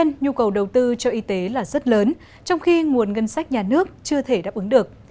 nhưng nhu cầu đầu tư cho y tế là rất lớn trong khi nguồn ngân sách nhà nước chưa thể đáp ứng được